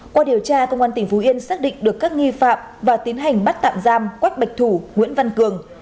qua điều tra công an tỉnh phú yên xác định được các nghi phạm và tiến hành bắt tạm giam quách bạch thủ nguyễn văn cường